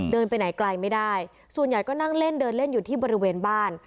ไปไหนไกลไม่ได้ส่วนใหญ่ก็นั่งเล่นเดินเล่นอยู่ที่บริเวณบ้าน